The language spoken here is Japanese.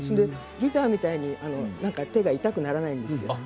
ギターみたいに手が痛くならないんです。